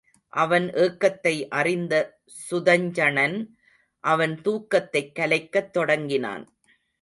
அவன் ஏக்கத்தை அறிந்த சுதஞ்சணன் அவன் தூக்கத்தைக் கலைக்கத் தொடங்கினான்.